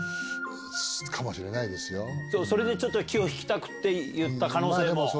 それで気を引きたくって言った可能性も。